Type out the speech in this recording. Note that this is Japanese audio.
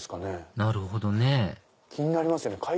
なるほどね気になりますよね。